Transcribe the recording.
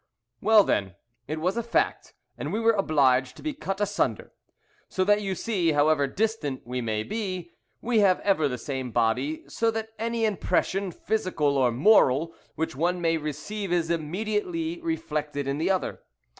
"Well, then, it was a fact, and we were obliged to be cut asunder. So that, you see, however distant we may be, we have ever the same body, so that any impression, physical or moral, which one may receive is immediately reflected in the other.